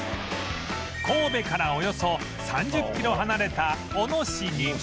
神戸からおよそ３０キロ離れた小野市に